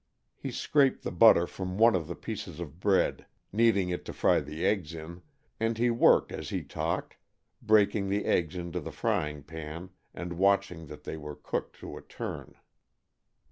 He scraped the butter from one of the pieces of bread, needing it to fry the eggs in, and he worked as he talked, breaking the eggs into the frying pan and watching that they were cooked to a turn.